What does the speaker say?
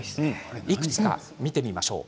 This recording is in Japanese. いくつか見てみましょう。